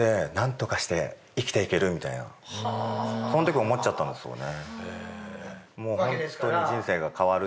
みたいなそんとき思っちゃったんですよね。